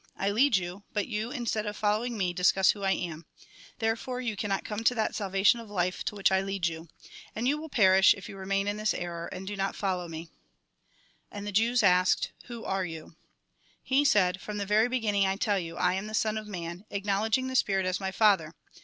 I lead you, but you, instead of following me, dis cuss who I am. Therefore you. cannot come to that salvation of life to which I lead you. And you will periish, if you remain in this error, and do not follow me." And the Jews asked :" Who are you ?" He said: "From the very beginning, I tell you, I am the Son of Man, acknowledging the Spirit as Jn. viii. 12, / AND THE FATHER ARE ONE 95 Jn. viii. 26. 28. 23. a. 34. 36. 37. my Father.